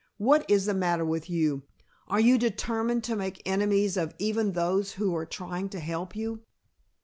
"What is the matter with you? Are you determined to make enemies of even those who are trying to help you?"